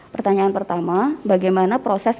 pertanyaan pertama bagaimana proses